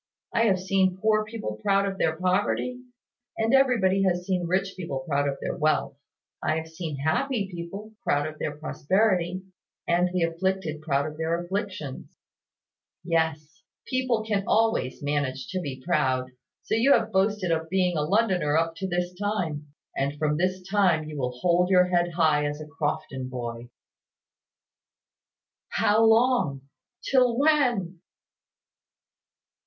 I have seen poor people proud of their poverty; and everybody has seen rich people proud of their wealth. I have seen happy people proud of their prosperity, and the afflicted proud of their afflictions. Yes; people can always manage to be proud: so you have boasted of being a Londoner up to this time; and from this time you will hold your head high as a Crofton boy." "How long? Till when?"